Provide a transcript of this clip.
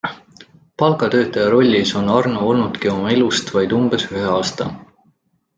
Palgatöötaja rollis on Arno olnudki oma elust vaid umbes ühe aasta.